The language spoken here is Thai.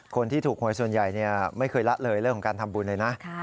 คนที่ถูกหวยส่วนใหญ่ไม่เคยละเลยเรื่องของการทำบุญเลยนะ